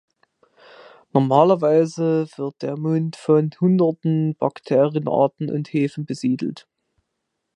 Normalerweise wird der Mund von hunderten Bakterienarten und Hefen besiedelt.